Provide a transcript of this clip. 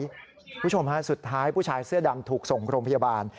คุณผู้ชมฮะสุดท้ายผู้ชายเสื้อดำถูกส่งโรงพยาบาล